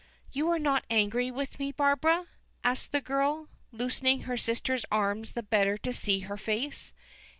"You are not angry with me, Barbara?" asks the girl, loosening her sister's arms the better to see her face.